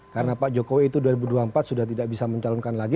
karena pak jokowi itu dua ribu dua puluh empat sudah tidak bisa mencalonkan lagi